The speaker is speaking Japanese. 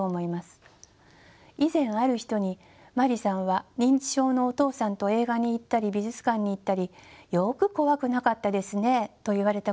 以前ある人に「まりさんは認知症のお父さんと映画に行ったり美術館に行ったりよく怖くなかったですね」と言われたことがあります。